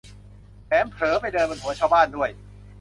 แถมเผลอไปเดินบนหัวชาวบ้านด้วย